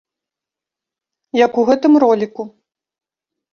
Як у гэтым роліку.